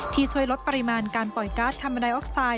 ที่ช่วยลดปริมาณการปล่อยการ์ดคาร์มอนไดออกไซด์